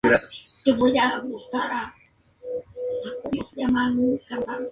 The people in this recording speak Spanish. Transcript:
Ese mismo año, James Jr.